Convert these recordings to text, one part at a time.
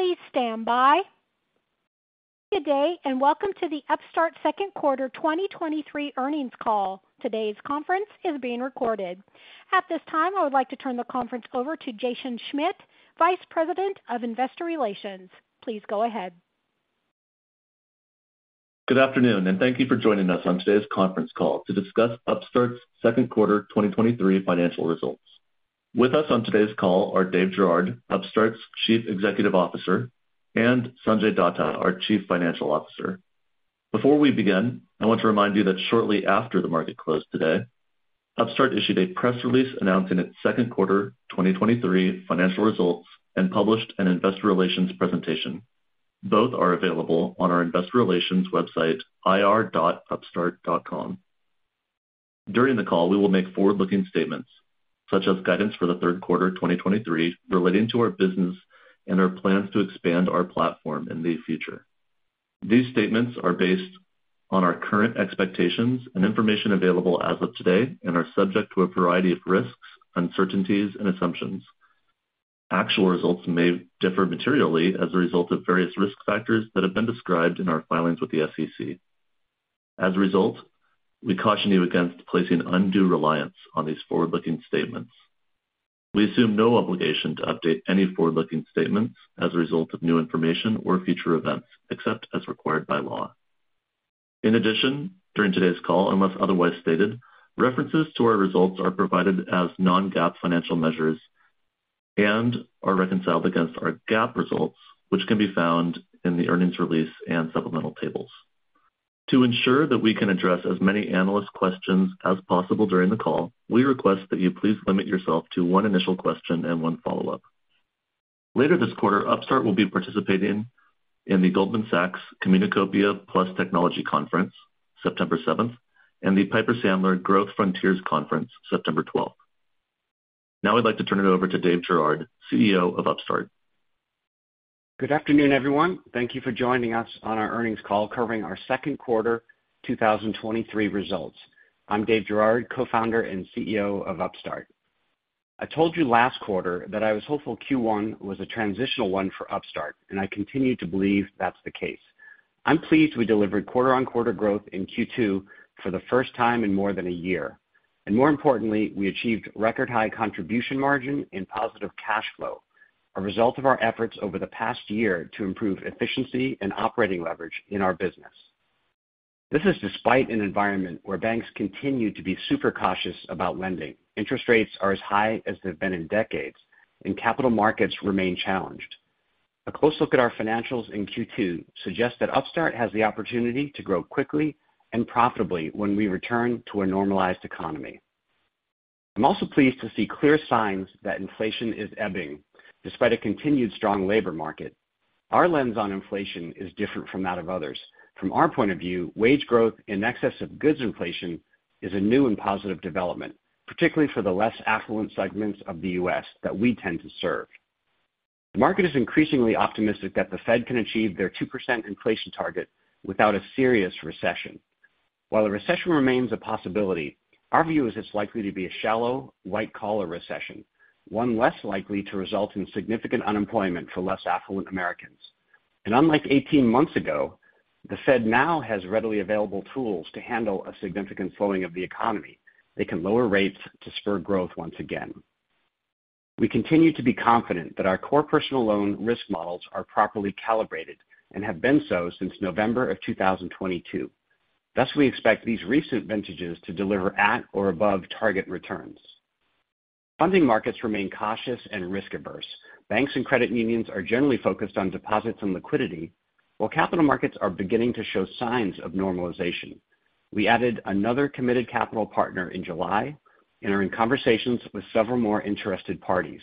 Please stand by. Good day, and welcome to the Upstart second quarter 2023 earnings call. Today's conference is being recorded. At this time, I would like to turn the conference over to Jason Schmidt, Vice President, Investor Relations. Please go ahead. Good afternoon. Thank you for joining us on today's conference call to discuss Upstart's second quarter 2023 financial results. With us on today's call are Dave Girouard, Upstart's Chief Executive Officer, and Sanjay Datta, our Chief Financial Officer. Before we begin, I want to remind you that shortly after the market closed today, Upstart issued a press release announcing its second quarter 2023 financial results and published an an investor relations presentation. Both are available on our investor relations website, ir.upstart.com. During the call, we will make forward-looking statements, such as guidance for the third quarter 2023, relating to our business and our plans to expand our platform in the future. These statements are based on our current expectations and information available as of today and are subject to a variety of risks, uncertainties, and assumptions. Actual results may differ materially as a result of various risk factors that have been described in our filings with the SEC. As a result, we caution you against placing undue reliance on these forward-looking statements. We assume no obligation to update any forward-looking statements as a result of new information or future events, except as required by law. In addition, during today's call, unless otherwise stated, references to our results are provided as non-GAAP financial measures and are reconciled against our GAAP results, which can be found in the earnings release and supplemental tables. To ensure that we can address as many analyst questions as possible during the call, we request that you please limit yourself to one initial question and one follow-up. Later this quarter, Upstart will be participating in the Goldman Sachs Communacopia + Technology Conference, September 7th, and the Piper Sandler Growth Frontiers Conference, September 12th. Now I'd like to turn it over to Dave Girouard, CEO of Upstart. Good afternoon, everyone. Thank you for joining us on our earnings call covering our second quarter 2023 results. I'm Dave Girouard, co-founder and CEO of Upstart. I told you last quarter that I was hopeful Q1 was a transitional one for Upstart. I continue to believe that's the case. I'm pleased we delivered quarter-on-quarter growth in Q2 for the first time in more than a year. More importantly, we achieved record-high Contribution Margin and positive cash flow, a result of our efforts over the past year to improve efficiency and operating leverage in our business. This is despite an environment where banks continue to be super cautious about lending. Interest rates are as high as they've been in decades. Capital markets remain challenged. A close look at our financials in Q2 suggests that Upstart has the opportunity to grow quickly and profitably when we return to a normalized economy. I'm also pleased to see clear signs that inflation is ebbing despite a continued strong labor market. Our lens on inflation is different from that of others. From our point of view, wage growth in excess of goods inflation is a new and positive development, particularly for the less affluent segments of the U.S. that we tend to serve. The market is increasingly optimistic that the Fed can achieve their 2% inflation target without a serious recession. While a recession remains a possibility, our view is it's likely to be a shallow, white-collar recession, one less likely to result in significant unemployment for less affluent Americans. Unlike 18 months ago, the Fed now has readily available tools to handle a significant slowing of the economy. They can lower rates to spur growth once again. We continue to be confident that our core personal loan risk models are properly calibrated and have been so since November of 2022. Thus, we expect these recent vintages to deliver at or above target returns. Funding markets remain cautious and risk-averse. Banks and credit unions are generally focused on deposits and liquidity, while capital markets are beginning to show signs of normalization. We added another committed capital partner in July and are in conversations with several more interested parties.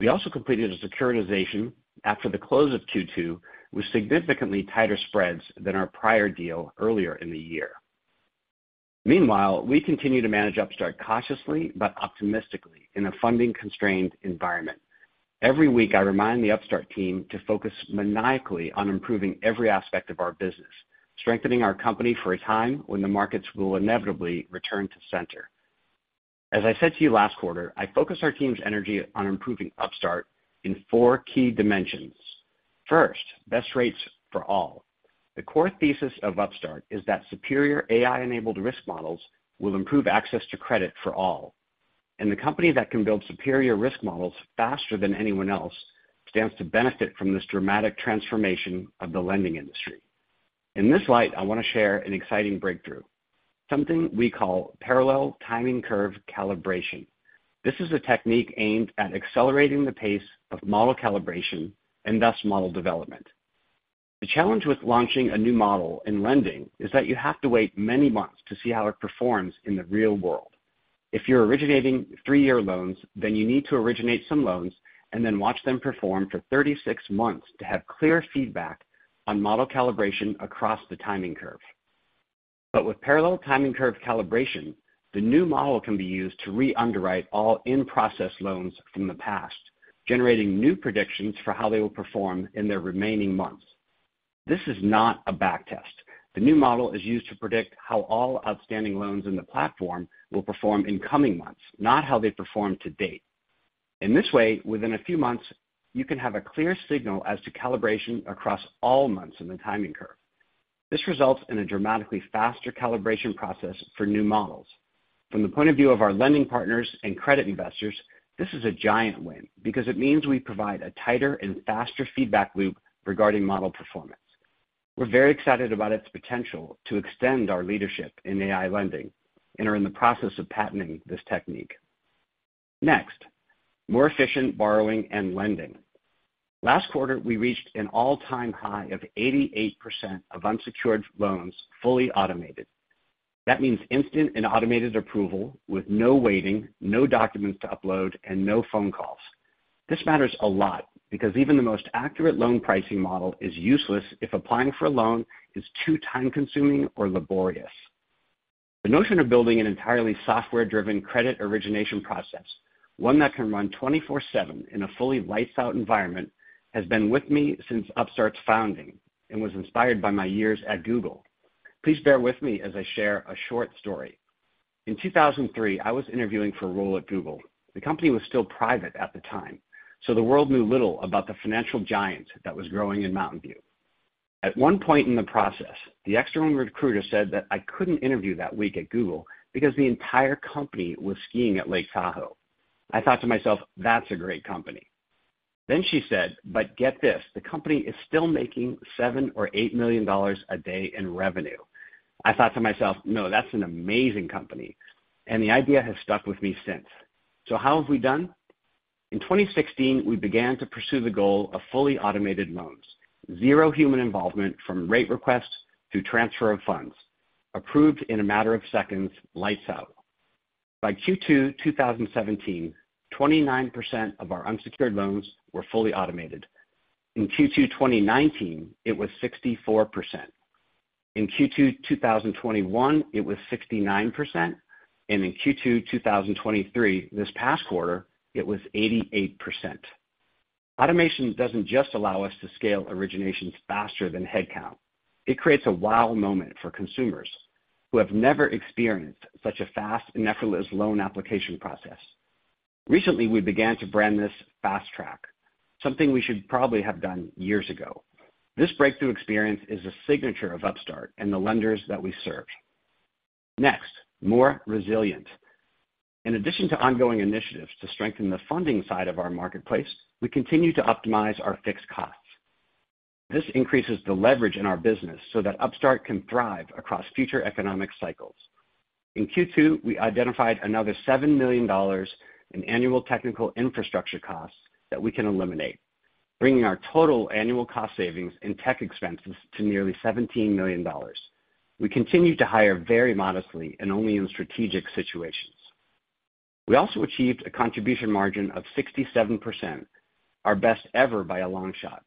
We also completed a securitization after the close of Q2 with significantly tighter spreads than our prior deal earlier in the year. Meanwhile, we continue to manage Upstart cautiously but optimistically in a funding-constrained environment. Every week, I remind the Upstart team to focus maniacally on improving every aspect of our business, strengthening our company for a time when the markets will inevitably return to center. As I said to you last quarter, I focus our team's energy on improving Upstart in four key dimensions. First, best rates for all. The core thesis of Upstart is that superior AI-enabled risk models will improve access to credit for all, and the company that can build superior risk models faster than anyone else stands to benefit from this dramatic transformation of the lending industry. In this light, I want to share an exciting breakthrough, something we call Parallel Timing Curve Calibration. This is a technique aimed at accelerating the pace of model calibration and thus model development. The challenge with launching a new model in lending is that you have to wait many months to see how it performs in the real world. If you're originating three-year loans, then you need to originate some loans and then watch them perform for 36 months to have clear feedback on model calibration across the timing curve. With Parallel Timing Curve Calibration, the new model can be used to re-underwrite all in-process loans from the past, generating new predictions for how they will perform in their remaining months. This is not a back test. The new model is used to predict how all outstanding loans in the platform will perform in coming months, not how they perform to date. In this way, within a few months, you can have a clear signal as to calibration across all months in the timing curve. This results in a dramatically faster calibration process for new models. From the point of view of our Lending Partners and credit investors, this is a giant win because it means we provide a tighter and faster feedback loop regarding model performance. We're very excited about its potential to extend our leadership in AI lending and are in the process of patenting this technique. Next, more efficient borrowing and lending. Last quarter, we reached an all-time high of 88% of unsecured loans Fully Automated. That means instant and automated approval with no waiting, no documents to upload, and no phone calls. This matters a lot because even the most accurate loan pricing model is useless if applying for a loan is too time-consuming or laborious. The notion of building an entirely software-driven credit origination process, one that can run 24/7 in a fully lights-out environment, has been with me since Upstart's founding and was inspired by my years at Google. Please bear with me as I share a short story. In 2003, I was interviewing for a role at Google. The company was still private at the time, so the world knew little about the financial giant that was growing in Mountain View. At one point in the process, the external recruiter said that I couldn't interview that week at Google because the entire company was skiing at Lake Tahoe. I thought to myself, "That's a great company." then she said, "get this, the company is still making $7 million-$8 million a day in revenue." I thought to myself, "No, that's an amazing company," and the idea has stuck with me since. How have we done? In 2016, we began to pursue the goal of fully automated loans. Zero human involvement from rate requests to transfer of funds, approved in a matter of seconds, lights out. By Q2 2017, 29% of our unsecured loans were fully automated. In Q2 2019, it was 64%. In Q2 2021, it was 69%. In Q2 2023, this past quarter, it was 88%. Automation doesn't just allow us to scale originations faster than headcount. It creates a wow moment for consumers who have never experienced such a fast and effortless loan application process. Recently, we began to brand this Fast Track, something we should probably have done years ago. This breakthrough experience is a signature of Upstart and the lenders that we serve. Next, more resilient. In addition to ongoing initiatives to strengthen the funding side of our marketplace, we continue to optimize our fixed costs. This increases the leverage in our business so that Upstart can thrive across future economic cycles. In Q2, we identified another $7 million in annual technical infrastructure costs that we can eliminate, bringing our total annual cost savings and tech expenses to nearly $17 million. We continue to hire very modestly and only in strategic situations. We also achieved a Contribution Margin of 67%, our best ever by a long shot.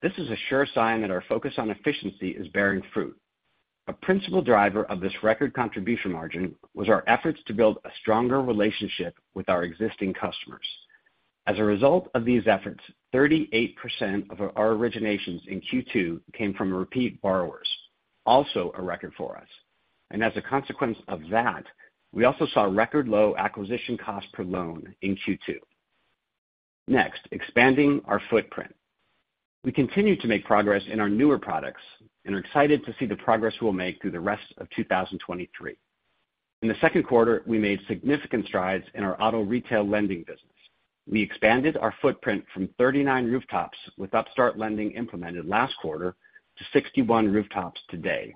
This is a sure sign that our focus on efficiency is bearing fruit. A principal driver of this record Contribution Margin was our efforts to build a stronger relationship with our existing customers. As a result of these efforts, 38% of our originations in Q2 came from repeat borrowers, also a record for us. As a consequence of that, we also saw record low acquisition cost per loan in Q2. Next, expanding our footprint. We continue to make progress in our newer products and are excited to see the progress we'll make through the rest of 2023. In the second quarter, we made significant strides in our auto retail lending business. We expanded our footprint from 39 rooftops with Upstart lending implemented last quarter to 61 rooftops today.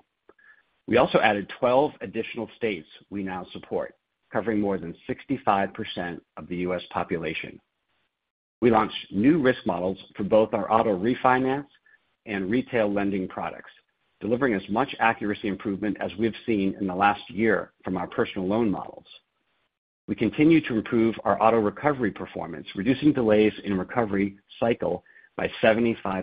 We also added 12 additional states we now support, covering more than 65% of the U.S population. We launched new risk models for both our auto refinance and retail lending products, delivering as much accuracy improvement as we've seen in the last year from our personal loan models. We continue to improve our auto recovery performance, reducing delays in recovery cycle by 75%.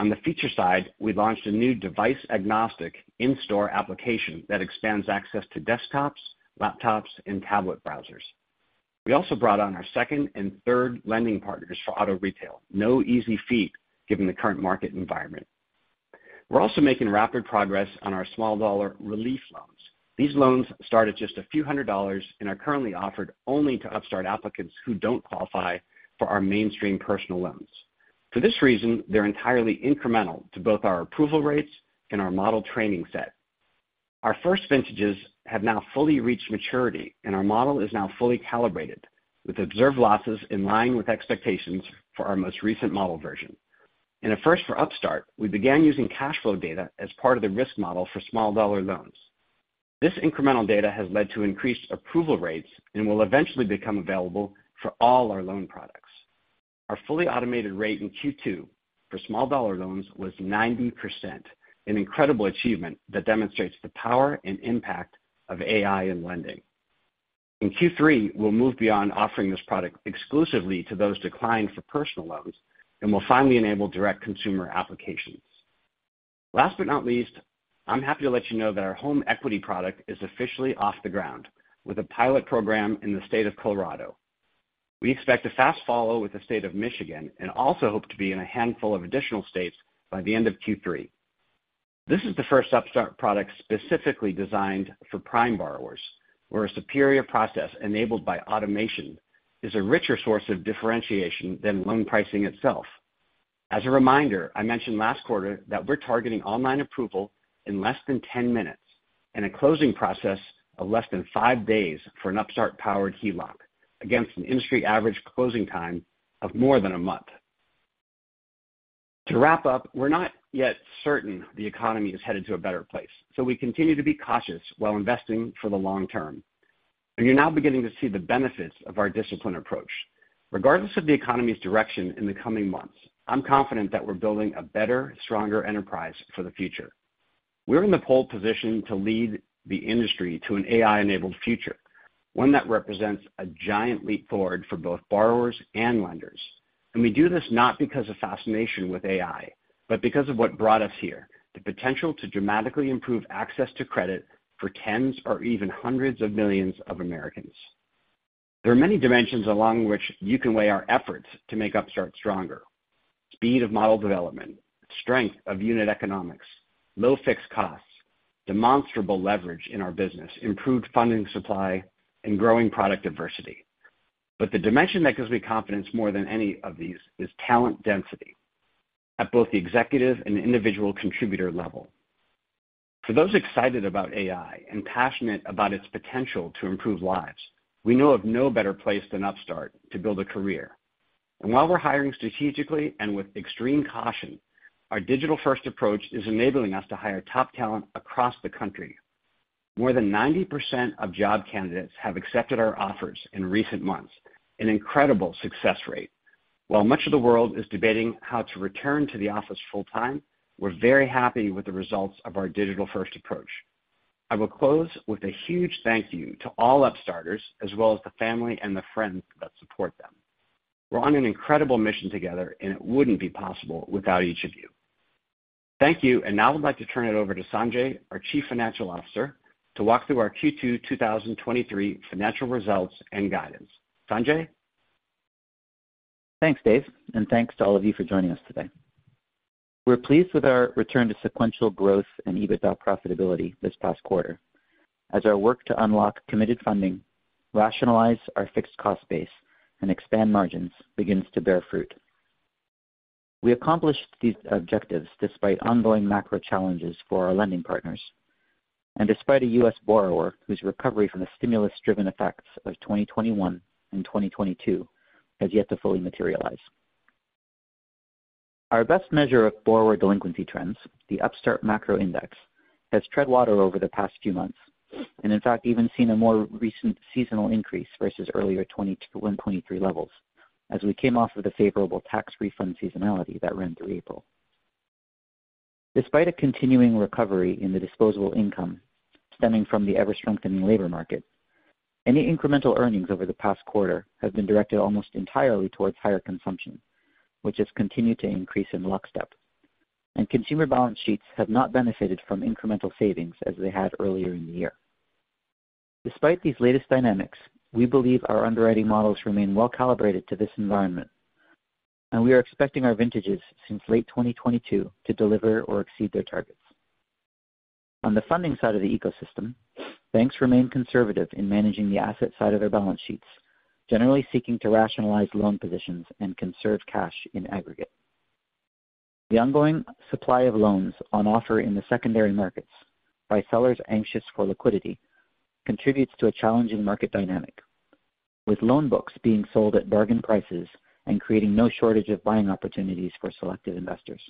On the feature side, we launched a new device-agnostic in-store application that expands access to desktops, laptops, and tablet browsers. We also brought on our second and third Lending Partners for auto retail. No easy feat, given the current market environment. We're also making rapid progress on our small dollar relief loans. These loans start at just a few hundred dollars and are currently offered only to Upstart applicants who don't qualify for our mainstream personal loans. For this reason, they're entirely incremental to both our approval rates and our model training set. Our first vintages have now fully reached maturity, and our model is now fully calibrated, with observed losses in line with expectations for our most recent model version. In a first for Upstart, we began using cash flow data as part of the risk model for small dollar loans. This incremental data has led to increased approval rates and will eventually become available for all our loan products. Our Fully Automated rate in Q2 for small dollar loans was 90%, an incredible achievement that demonstrates the power and impact of AI in lending. In Q3, we'll move beyond offering this product exclusively to those declined for personal loans and will finally enable direct consumer applications. Last but not least, I'm happy to let you know that our home equity product is officially off the ground, with a pilot program in the state of Colorado. We expect a fast follow with the state of Michigan, and also hope to be in a handful of additional states by the end of Q3. This is the first Upstart product specifically designed for prime borrowers, where a superior process enabled by automation is a richer source of differentiation than loan pricing itself. As a reminder, I mentioned last quarter that we're targeting online approval in less than 10 minutes and a closing process of less than five days for an Upstart-powered HELOC, against an industry average closing time of more than 1 month. To wrap up, we're not yet certain the economy is headed to a better place, so we continue to be cautious while investing for the long term, you're now beginning to see the benefits of our disciplined approach. Regardless of the economy's direction in the coming months, I'm confident that we're building a better, stronger enterprise for the future. We're in the pole position to lead the industry to an AI-enabled future, one that represents a giant leap forward for both borrowers and lenders. We do this not because of fascination with AI, but because of what brought us here, the potential to dramatically improve access to credit for tens or even hundreds of millions of Americans. There are many dimensions along which you can weigh our efforts to make Upstart stronger. Speed of model development, strength of unit economics, low fixed costs, demonstrable leverage in our business, improved funding supply, and growing product diversity. The dimension that gives me confidence more than any of these is talent density at both the executive and individual contributor level. For those excited about AI and passionate about its potential to improve lives, we know of no better place than Upstart to build a career. While we're hiring strategically and with extreme caution, our digital-first approach is enabling us to hire top talent across the country. More than 90% of job candidates have accepted our offers in recent months, an incredible success rate. While much of the world is debating how to return to the office full-time, we're very happy with the results of our digital-first approach. I will close with a huge thank you to all Upstarters, as well as the family and the friends that support them. We're on an incredible mission together, and it wouldn't be possible without each of you. Thank you. Now I'd like to turn it over to Sanjay, our chief financial officer, to walk through our Q2 2023 financial results and guidance. Sanjay? Thanks, Dave, and thanks to all of you for joining us today. We're pleased with our return to sequential growth and EBITDA profitability this past quarter as our work to unlock committed funding, rationalize our fixed cost base, and expand margins begins to bear fruit. We accomplished these objectives despite ongoing macro challenges for our lending partners and despite a U.S borrower whose recovery from the stimulus-driven effects of 2021 and 2022 has yet to fully materialize. Our best measure of borrower delinquency trends, the Upstart Macro Index, has tread water over the past few months and in fact, even seen a more recent seasonal increase versus earlier 2023 levels as we came off of the favorable tax refund seasonality that ran through April. Despite a continuing recovery in the disposable income stemming from the ever-strengthening labor market, any incremental earnings over the past quarter have been directed almost entirely towards higher consumption, which has continued to increase in lockstep, and consumer balance sheets have not benefited from incremental savings as they had earlier in the year. Despite these latest dynamics, we believe our underwriting models remain well-calibrated to this environment, and we are expecting our vintages since late 2022 to deliver or exceed their targets. On the funding side of the ecosystem, banks remain conservative in managing the asset side of their balance sheets, generally seeking to rationalize loan positions and conserve cash in aggregate. The ongoing supply of loans on offer in the secondary markets by sellers anxious for liquidity contributes to a challenging market dynamic, with loan books being sold at bargain prices and creating no shortage of buying opportunities for selective investors.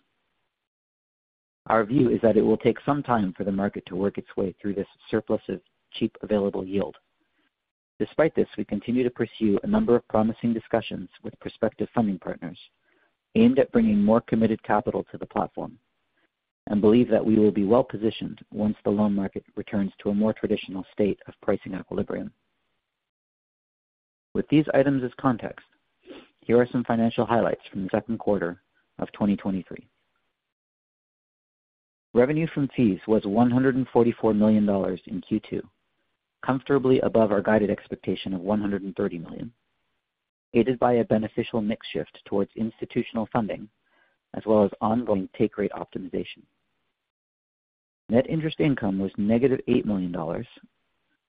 Our view is that it will take some time for the market to work its way through this surplus of cheap available yield. Despite this, we continue to pursue a number of promising discussions with prospective funding partners aimed at bringing more committed capital to the platform and believe that we will be well positioned once the loan market returns to a more traditional state of pricing equilibrium. With these items as context, here are some financial highlights from the second quarter of 2023. Revenue from Fees was $144 million in Q2, comfortably above our guided expectation of $130 million, aided by a beneficial mix shift towards institutional funding as well as ongoing take rate optimization. Net interest income was -$8 million,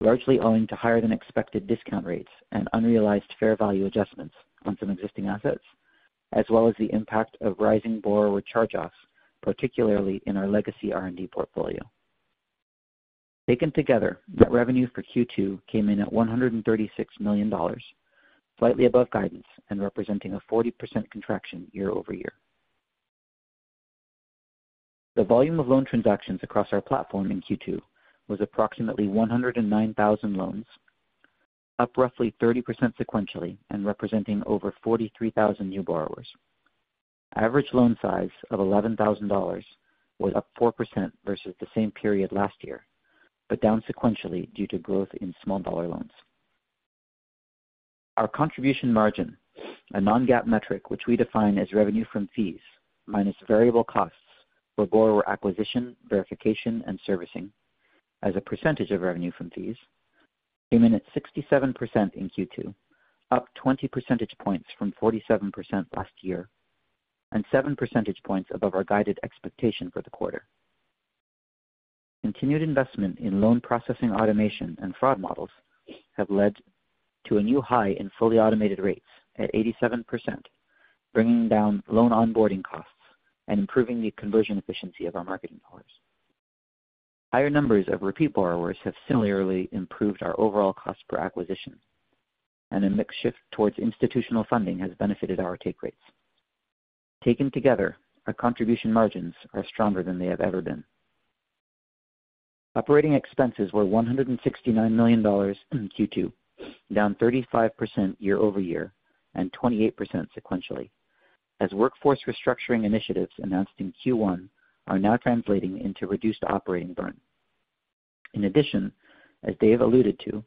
largely owing to higher-than-expected discount rates and unrealized fair value adjustments on some existing assets, as well as the impact of rising borrower charge-offs, particularly in our legacy R&D portfolio. Taken together, net revenue for Q2 came in at $136 million, slightly above guidance and representing a 40% contraction year-over-year. The Volume of loan transactions across our platform in Q2 was approximately 109,000 loans, up roughly 30% sequentially and representing over 43,000 new borrowers. Average loan size of $11,000 was up 4% versus the same period last year, but down sequentially due to growth in small dollar loans. Our Contribution Margin, a non-GAAP metric, which we define as Revenue from Fees minus variable costs for borrower acquisition, verification, and servicing as a percentage of revenue from fees, came in at 67% in Q2, up 20 percentage points from 47% last year and 7 percentage points above our guided expectation for the quarter. Continued investment in loan processing automation and fraud models have led to a new high in fully automated rates at 87%, bringing down loan onboarding costs and improving the conversion efficiency of our marketing dollars. Higher numbers of repeat borrowers have similarly improved our overall cost per acquisition, and a mix shift towards institutional funding has benefited our take rates. Taken together, our Contribution Margins are stronger than they have ever been. Operating expenses were $169 million in Q2, down 35% year-over-year and 28% sequentially, as workforce restructuring initiatives announced in Q1 are now translating into reduced operating burn. In addition, as Dave alluded to,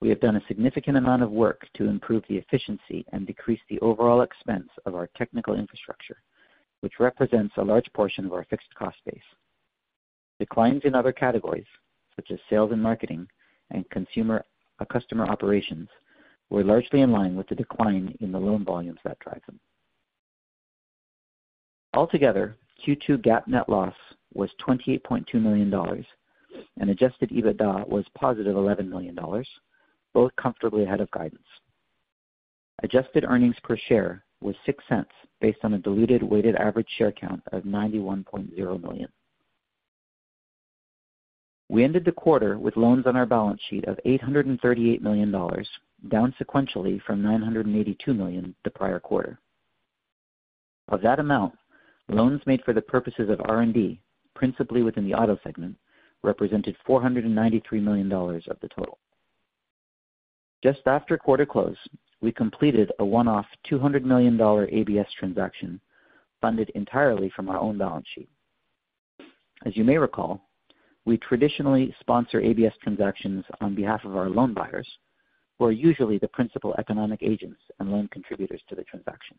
we have done a significant amount of work to improve the efficiency and decrease the overall expense of our technical infrastructure, which represents a large portion of our fixed cost base. Declines in other categories, such as sales and marketing and customer operations, were largely in line with the decline in the loan volumes that drive them. Altogether, Q2 GAAP net loss was $28.2 million, and adjusted EBITDA was positive $11 million, both comfortably ahead of guidance. Adjusted earnings per share was $0.06, based on a diluted weighted average share count of 91.0 million. We ended the quarter with loans on our balance sheet of $838 million, down sequentially from $982 million the prior quarter. Of that amount, loans made for the purposes of R&D, principally within the auto segment, represented $493 million of the total. Just after quarter close, we completed a one-off $200 million ABS transaction, funded entirely from our own balance sheet. As you may recall, we traditionally sponsor ABS transactions on behalf of our loan buyers, who are usually the principal economic agents and loan contributors to the transaction.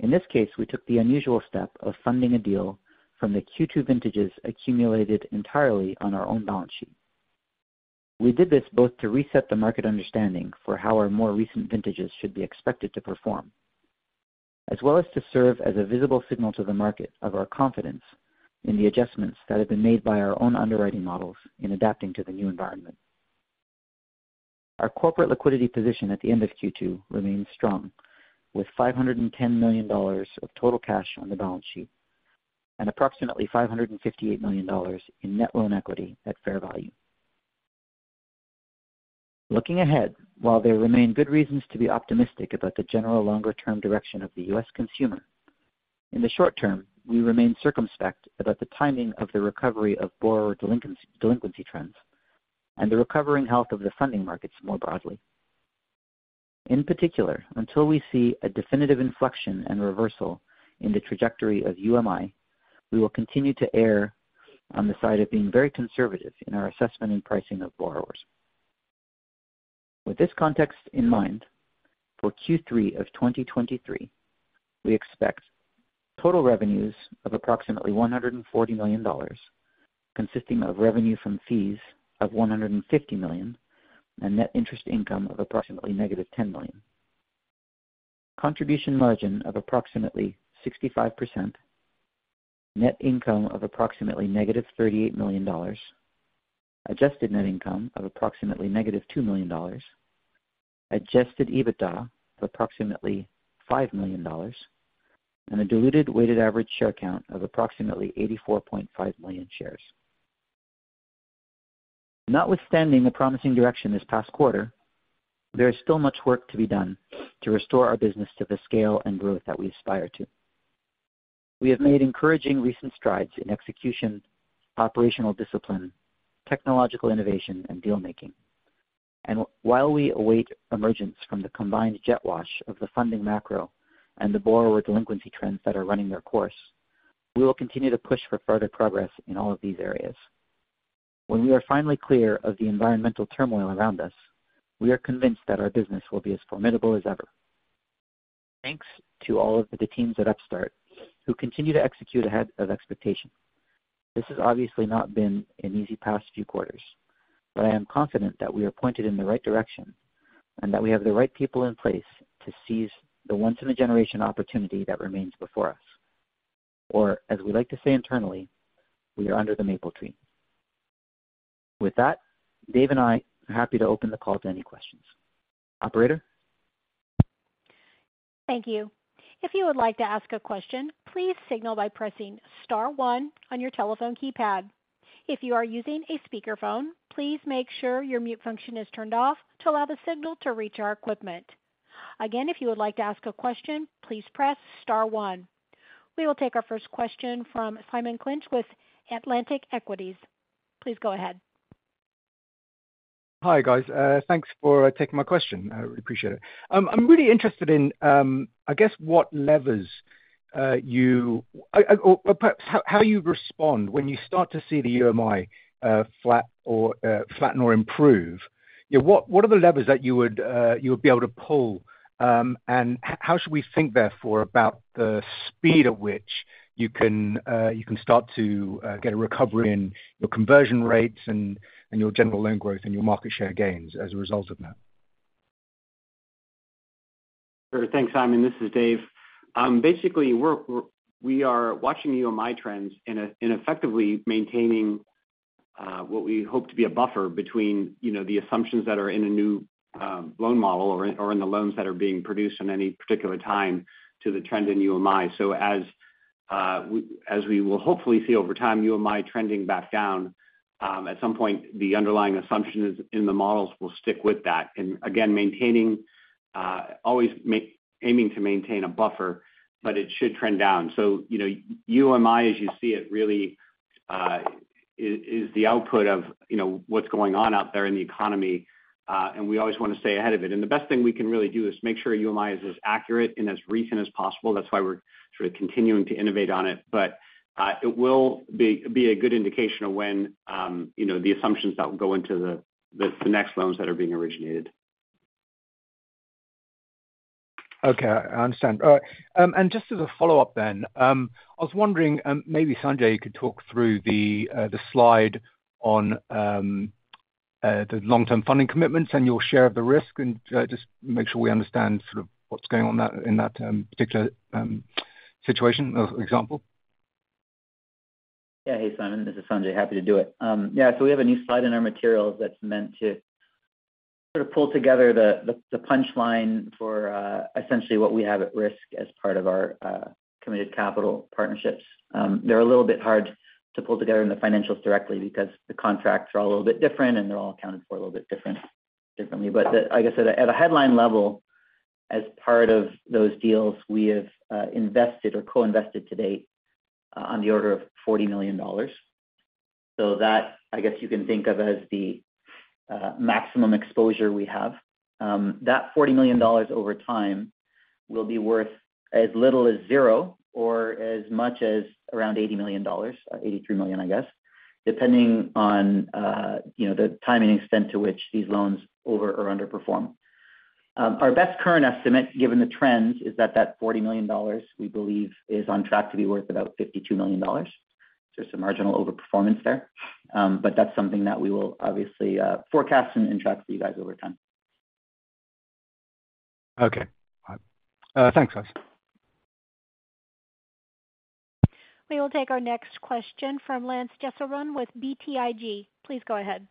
In this case, we took the unusual step of funding a deal from the Q2 vintages accumulated entirely on our own balance sheet. We did this both to reset the market understanding for how our more recent vintages should be expected to perform, as well as to serve as a visible signal to the market of our confidence in the adjustments that have been made by our own underwriting models in adapting to the new environment. Our corporate liquidity position at the end of Q2 remains strong, with $510 million of total cash on the balance sheet and approximately $558 million in net loan equity at fair value. Looking ahead, while there remain good reasons to be optimistic about the general longer-term direction of the US consumer, in the short term, we remain circumspect about the timing of the recovery of borrower delinquency, delinquency trends and the recovering health of the funding markets more broadly. In particular, until we see a definitive inflection and reversal in the trajectory of UMI, we will continue to err on the side of being very conservative in our assessment and pricing of borrowers. With this context in mind, for Q3 of 2023, we expect total revenues of approximately $140 million, consisting of Revenue from Fees of $150 million, and net interest income of approximately -$10 million. Contribution Margin of approximately 65%, net income of approximately -$38 million, adjusted net income of approximately -$2 million, adjusted EBITDA of approximately $5 million, and a diluted weighted average share count of approximately 84.5 million shares. Notwithstanding the promising direction this past quarter, there is still much work to be done to restore our business to the scale and growth that we aspire to. We have made encouraging recent strides in execution, operational discipline, technological innovation, and deal making. While we await emergence from the combined jet wash of the funding macro and the borrower delinquency trends that are running their course, we will continue to push for further progress in all of these areas. When we are finally clear of the environmental turmoil around us, we are convinced that our business will be as formidable as ever. Thanks to all of the teams at Upstart who continue to execute ahead of expectation. This has obviously not been an easy past few quarters, but I am confident that we are pointed in the right direction and that we have the right people in place to seize the once-in-a-generation opportunity that remains before us. As we like to say internally, we are under the Maple Tree. With that, Dave and I are happy to open the call to any questions. Operator? Thank you. If you would like to ask a question, please signal by pressing star one on your telephone keypad. If you are using a speakerphone, please make sure your mute function is turned off to allow the signal to reach our equipment. Again, if you would like to ask a question, please press star one. We will take our first question from Simon Clinch with Atlantic Equities. Please go ahead. Hi, guys. Thanks for taking my question. I really appreciate it. I'm really interested in, I guess, what levers you, or perhaps how you respond when you start to see the UMI flat or flatten or improve? What are the levers that you would be able to pull? How should we think therefore, about the speed at which you can start to get a recovery in your Conversion Rates and your general loan growth and your market share gains as a result of that? Sure. Thanks Simon this is Dave. Basically, we are watching UMI trends and, and effectively maintaining, what we hope to be a buffer between, you know, the assumptions that are in a new loan model or, or in the loans that are being produced in any particular time to the trend in UMI. As we will hopefully see over time, UMI trending back down, at some point, the underlying assumptions in the models will stick with that. Again, maintaining, always aiming to maintain a buffer, but it should trend down. You know, UMI, as you see it, really, is, is the output of, you know, what's going on out there in the economy, and we always want to stay ahead of it. The best thing we can really do is make sure UMI is as accurate and as recent as possible. That's why we're sort of continuing to innovate on it. It will be a good indication of when, you know, the assumptions that go into the, the, the next loans that are being originated. Okay, I understand. All right. Just as a follow-up then, I was wondering, maybe Sanjay, you could talk through the slide on the long-term funding commitments and your share of the risk, and just make sure we understand sort of what's going on in that particular situation or example. Yeah hey, Simon this is Sanjay happy to do it. Yeah, so we have a new slide in our materials that's meant to sort of pull together the, the, the punchline for essentially what we have at risk as part of our committed capital partnerships. They're a little bit hard to pull together in the financials directly because the contracts are all a little bit different, and they're all accounted for a little bit different, differently. Like I said, at a headline level, as part of those deals, we have invested or co-invested to date on the order of $40 million. That, I guess, you can think of as the maximum exposure we have. That $40 million over time will be worth as little as zero or as much as around $80 million, or $83 million, I guess, depending on, you know, the time and extent to which these loans over or underperform. Our best current estimate, given the trends, is that that $40 million, we believe, is on track to be worth about $52 million. Just a marginal overperformance there. That's something that we will obviously forecast and track for you guys over time. Okay. Thanks, guys. We will take our next question from Lance Jessurun with BTIG. Please go ahead.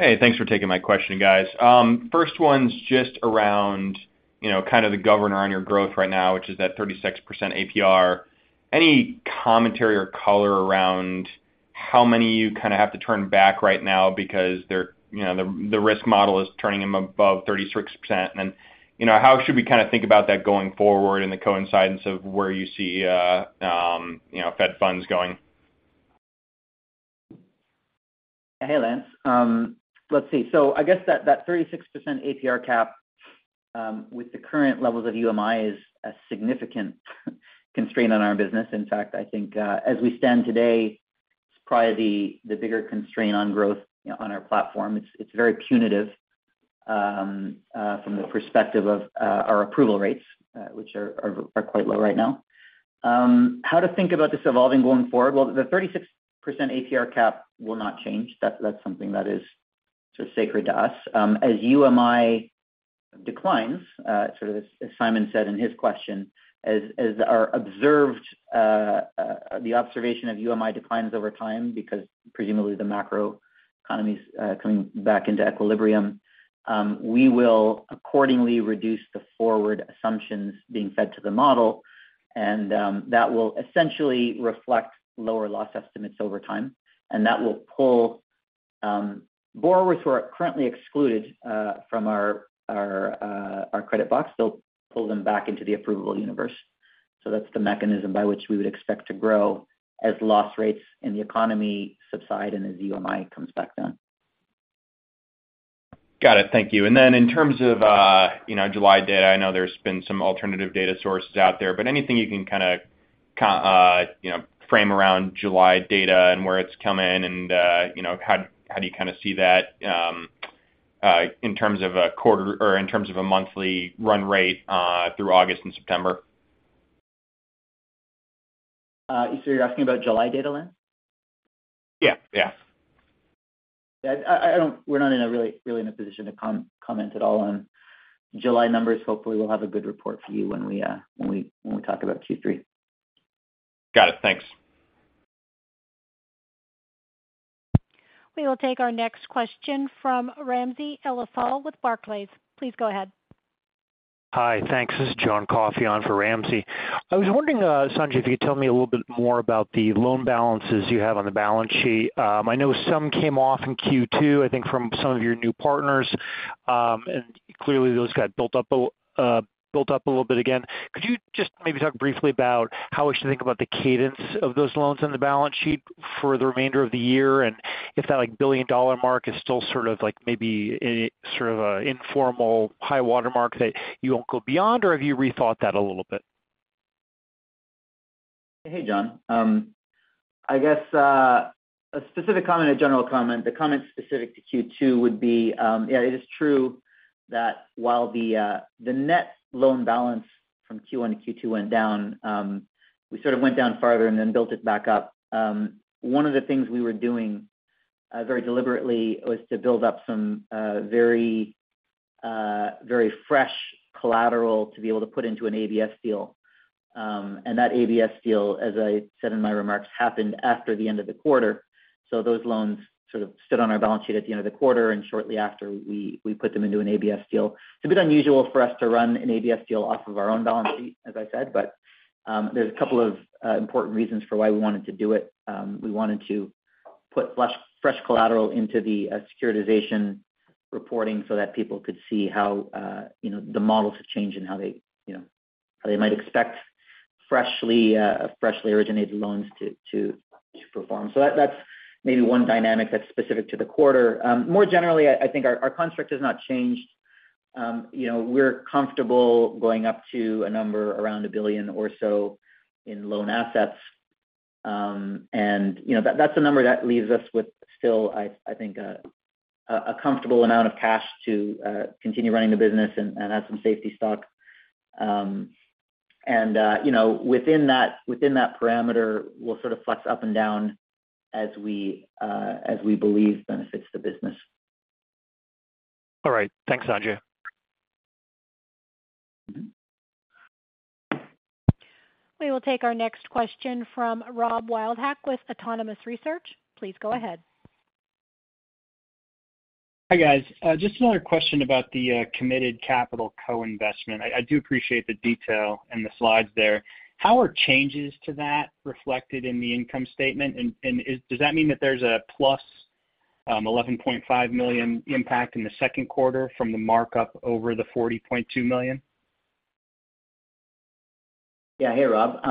Hey, thanks for taking my question, guys. first one's just around, you know, kind of the governor on your growth right now, which is that 36% APR. Any commentary or color around how many you kind of have to turn back right now because they're, you know, the, the risk model is turning them above 36%? You know, how should we kind of think about that going forward and the coincidence of where you see, you know, Fed funds going? Hey, Lance. Let's see. I guess that, that 36% APR cap, with the current levels of UMI, is a significant constraint on our business. In fact, I think, as we stand today, it's probably the, the bigger constraint on growth on our platform. It's, it's very punitive, from the perspective of, our approval rates, which are, are, are quite low right now. How to think about this evolving going forward? The 36% APR cap will not change. That's, that's something that is just sacred to us. As UMI declines, sort of as, as Simon said in his question, as, as our observed, the observation of UMI declines over time, because presumably the macro economy is coming back into equilibrium, we will accordingly reduce the forward assumptions being fed to the model, and that will essentially reflect lower loss estimates over time. That will pull borrowers who are currently excluded from our, our, our credit box, they'll pull them back into the approvable universe. That's the mechanism by which we would expect to grow as loss rates in the economy subside and as UMI comes back down. Got it. Thank you. Then in terms of, you know, July data, I know there's been some alternative data sources out there, but anything you can kind of kind, you know, frame around July data and where it's come in and, you know, how, how do you kind of see that in terms of a quarter or in terms of a monthly run rate through August and September? So you're asking about July data, Lance? Yeah, yeah. Yeah, I don't we're not in a really, really in a position to comment at all on July numbers. Hopefully, we'll have a good report for you when we, when we, when we talk about Q3. Got it. Thanks. We will take our next question from Ramsey El-Assal with Barclays. Please go ahead. Hi, thanks. This is John Coffey on for Ramsey. I was wondering, Sanjay, if you could tell me a little bit more about the loan balances you have on the balance sheet. I know some came off in Q2, I think, from some of your new partners, and clearly, those got built up, built up a little bit again. Could you just maybe talk briefly about how we should think about the cadence of those loans on the balance sheet for the remainder of the year, and if that, like, billion-dollar mark is still sort of like maybe a, sort of a informal high water mark that you won't go beyond, or have you rethought that a little bit? Hey, John I guess, a specific comment, a general comment. The comment specific to Q2 would be, yeah, it is true that while the net loan balance from Q1 to Q2 went down, we sort of went down farther and then built it back up. One of the things we were doing very deliberately was to build up some very, very fresh collateral to be able to put into an ABS deal. That ABS deal, as I said in my remarks, happened after the end of the quarter. So those loans sort of stood on our balance sheet at the end of the quarter, and shortly after, we, we put them into an ABS deal. It's a bit unusual for us to run an ABS deal off of our own balance sheet, as I said, but, there's a couple of important reasons for why we wanted to do it. We wanted to put fresh, fresh collateral into the securitization reporting so that people could see how, you know, the models have changed and how they, you know, how they might expect freshly, freshly originated loans to, to, to perform. That's maybe one dynamic that's specific to the quarter. More generally, I, I think our, our construct has not changed. You know, we're comfortable going up to a number around billion or so in loan assets. You know, that's a number that leaves us with still, I, I think, a, a comfortable amount of cash to continue running the business and, and have some safety stock. You know, within that, within that parameter, we'll sort of flex up and down as we, as we believe benefits the business. All right. Thanks, Sanjay. We will take our next question from Rob Wildhack with Autonomous Research. Please go ahead. Hi, guys. just another question about the committed capital co-investment. I, I do appreciate the detail and the slides there. How are changes to that reflected in the income statement? Does that mean that there's a +$11.5 million impact in the second quarter from the markup over the $40.2 million? Yeah. Hey Rob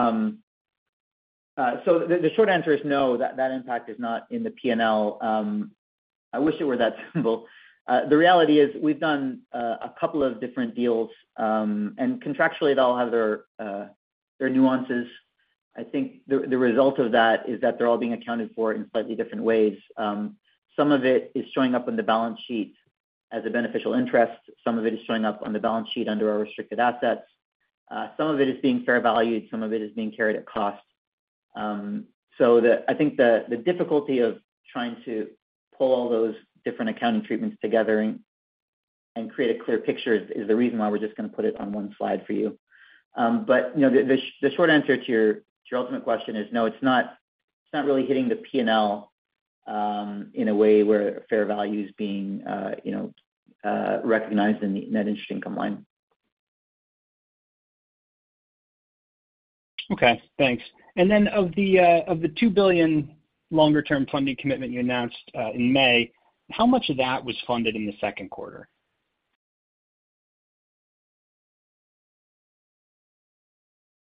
the the short answer is no, that, that impact is not in the P&L. I wish it were that simple. The reality is we've done a couple of different deals, and contractually, they all have their nuances. I think the, the result of that is that they're all being accounted for in slightly different ways. Some of it is showing up on the balance sheet as a beneficial interest. Some of it is showing up on the balance sheet under our restricted assets. Some of it is being fair valued, some of it is being carried at cost. so the... I think the, the difficulty of trying to pull all those different accounting treatments together and, and create a clear picture is, is the reason why we're just gonna put it on one slide for you. You know, the short answer to your, to your ultimate question is no, it's not, it's not really hitting the P&L in a way where fair value is being, you know, recognized in the net interest income line. Okay, thanks. Of the, of the two billion longer-term funding commitment you announced, in May, how much of that was funded in the second quarter?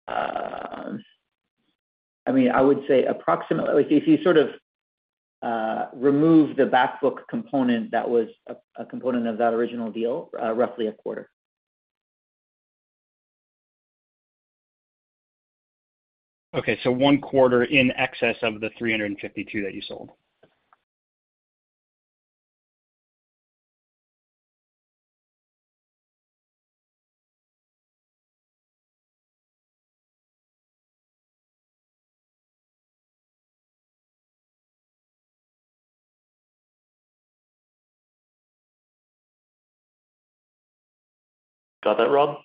I mean, I would say approximately, if you sort of remove the back book component, that was a component of that original deal, roughly a quarter. Okay, one quarter in excess of the 352 that you sold. Got that, Rob?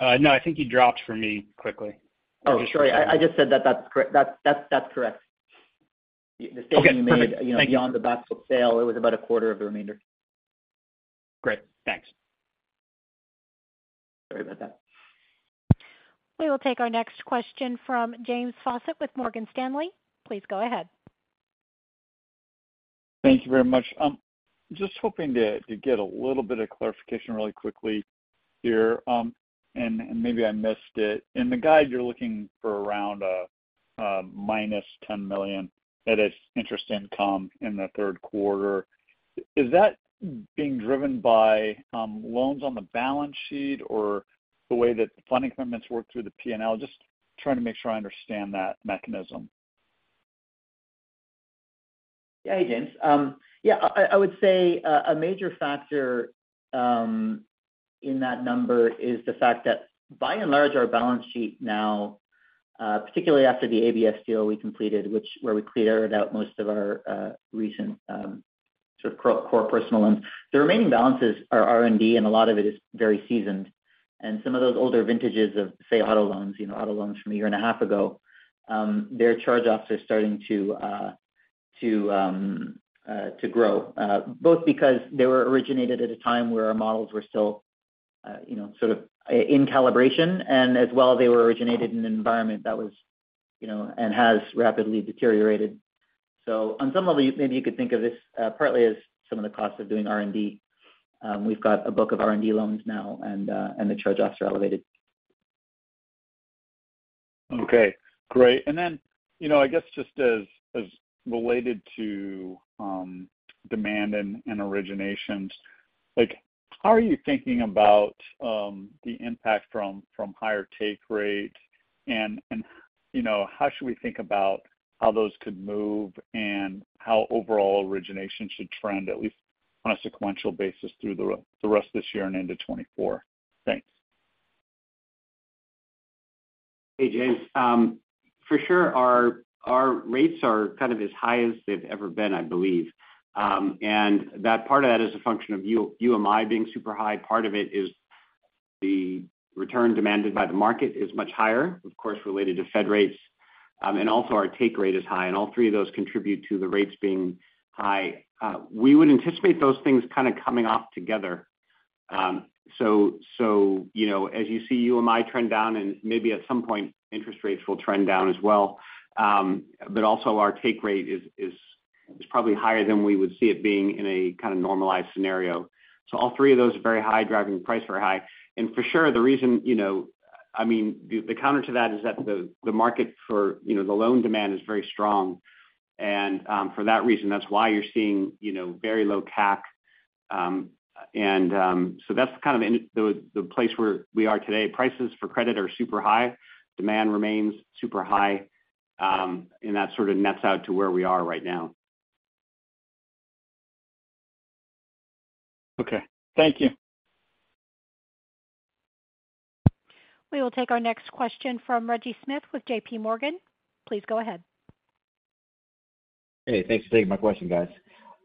No, I think you dropped for me quickly. Oh, sorry. I just said that that's that's, that's, that's correct. Okay, perfect. The statement you made, you know, beyond the back book sale, it was about a quarter of the remainder. Great. Thanks. Sorry about that. We will take our next question from James Faucette with Morgan Stanley. Please go ahead. Thank you very much. Just hoping to get a little bit of clarification really quickly here. Maybe I missed it. In the guide, you're looking for around, -$10 million, that is interest income in the third quarter. Is that being driven by, loans on the balance sheet or the way that the funding commitments work through the P&L? Just trying to make sure I understand that mechanism. Yeah. Hey, James. Yeah, I, I would say a major factor in that number is the fact that by and large, our balance sheet now, particularly after the ABS deal we completed, which where we cleared out most of our recent sort of core, core personal loans. The remaining balances are R&D, and a lot of it is very seasoned. Some of those older vintages of, say, auto loans, you know, auto loans from a year and a half ago, their charge-offs are starting to to grow, both because they were originated at a time where our models were still, you know, sort of in calibration, and as well, they were originated in an environment that was, you know, and has rapidly deteriorated. On some level, maybe you could think of this, partly as some of the costs of doing R&D. We've got a book of R&D loans now, and, and the charge-offs are elevated. Okay, great. You know, I guess just as, as related to, demand and, and originations, like, how are you thinking about the impact from, from higher take rate? You know, how should we think about how those could move and how overall origination should trend, at least on a sequential basis, through the rest of this year and into 2024? Thanks. Hey, James. For sure, our, our rates are kind of as high as they've ever been, I believe. That part of that is a function of UMI being super high part of it is the return demanded by the market is much higher, of course, related to Fed rates. Also our take rate is high, and all three of those contribute to the rates being high. We would anticipate those things kind of coming off together. You know, as you see UMI trend down, maybe at some point interest rates will trend down as well. Also our take rate is probably higher than we would see it being in a kind of normalized scenario. All three of those are very high, driving price very high. For sure, the reason, you know, I mean, the, the counter to that is that the, the market for, you know, the loan demand is very strong. For that reason, that's why you're seeing, you know, very low CAC. That's kind of the place where we are today. Prices for credit are super high, demand remains super high, and that sort of nets out to where we are right now. Okay, thank you. We will take our next question from Reggie Smith with JPMorgan. Please go ahead. Hey, thanks for taking my question, guys.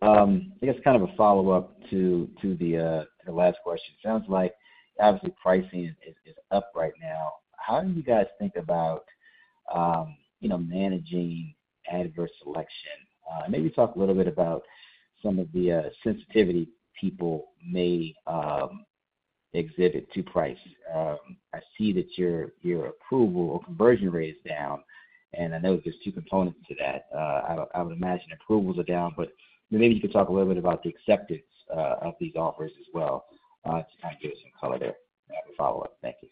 I guess kind of a follow-up to, to the, the last question. Sounds like obviously pricing is, is up right now. How do you guys think about, you know, managing adverse selection? Maybe talk a little bit about some of the, sensitivity people may, exhibit to price. I see that your, your approval or Conversion Rate is down, and I know there's two components to that. I would, I would imagine approvals are down, but maybe you could talk a little bit about the acceptance, of these offers as well, to kind of give us some color there. I have a follow-up. Thank you.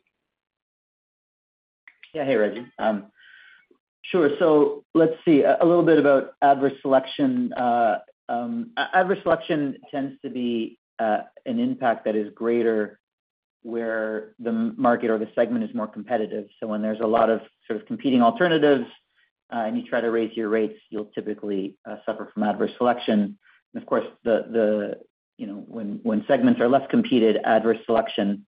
Yeah. Hey, Reggie sure let's see, a little bit about adverse selection. Adverse selection tends to be an impact that is greater where the market or the segment is more competitive. When there's a lot of sort of competing alternatives, and you try to raise your rates, you'll typically suffer from adverse selection. Of course, the, the, you know, when, when segments are less competed, adverse selection,